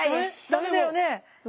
ダメだよね。